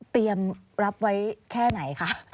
เตรียมรับไว้แค่ไหนคะ